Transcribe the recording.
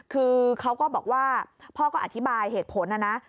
คือเขาก็บอกว่าพ่อก็อธิบายเหตุผลนะนะ